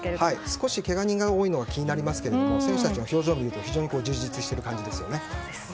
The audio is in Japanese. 少しけが人が多いのが気になりますけども選手たちの表情を見ると非常に充実している感じですね。